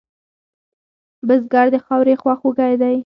بزګر د خاورې خواخوږی دی